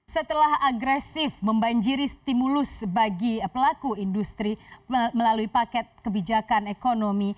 setelah agresif membanjiri stimulus bagi pelaku industri melalui paket kebijakan ekonomi